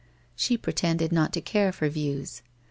She pretended not to care for views.